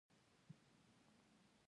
پر ما غټ دي د مُلا اوږده بوټونه